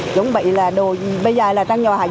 chuẩn bị đồ bây giờ trong nhà